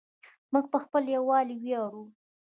موږ په خپل یووالي ویاړو.